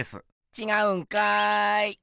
ちがうんかい！